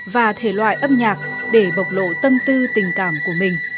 và thể loại âm nhạc để bộc lộ tâm tư tình cảm của mình